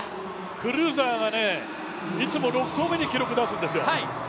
クルーザーがいつも６投目に記録を出すんですよ。